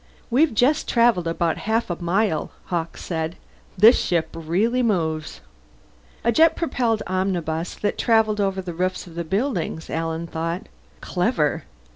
"We've just travelled about half a mile," Hawkes said. "This ship really moves." A jet propelled omnibus that travelled over the roofs of the buildings, Alan thought. Clever.